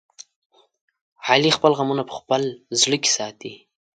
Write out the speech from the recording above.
علي خپل غمونه په خپل زړه کې ساتي.